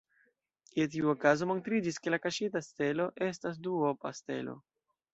Je tiu okazo, montriĝis, ke la kaŝita stelo estas duopa stelo.